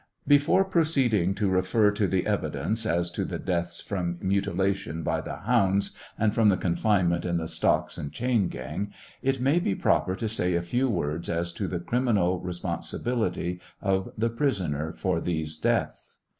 Before proceeding to refer to the evidence as to the deaths from mutilation by the hounds and from confinement in the stocks and chain gang, it may be proper to say a few words as to the criminal responsibility of the prisoner for these deaths.